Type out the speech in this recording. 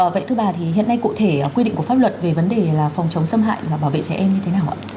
vậy thưa bà thì hiện nay cụ thể quy định của pháp luật về vấn đề phòng chống xâm hại và bảo vệ trẻ em như thế nào ạ